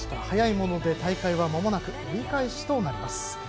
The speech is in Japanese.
早いもので大会はまもなく折り返しとなります。